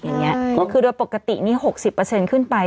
อย่างเงี้ยมากกับคือแบบปกตินี่หกสิบเปอร์เซ็นต์ขึ้นไป